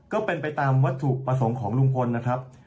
ก็เป็นไปตามวัตถุประสงค์ของลุงพลนะครับ